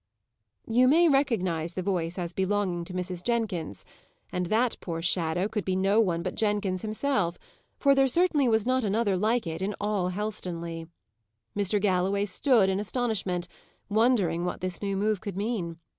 You may recognize the voice as belonging to Mrs. Jenkins, and that poor shadow could be no one but Jenkins himself, for there certainly was not another like it in all Helstonleigh. Mr. Galloway stood in astonishment, wondering what this new move could mean.